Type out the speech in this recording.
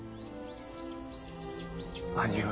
兄上。